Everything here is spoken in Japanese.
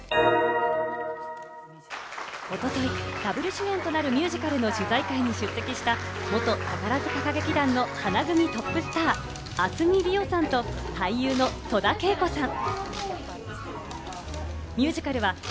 一昨日、ダブル主演となるミュージカルの取材会に出席した元宝塚歌劇団花組のトップスター・明日海りおさんと俳優の戸田恵子さん。